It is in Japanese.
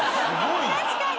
確かに！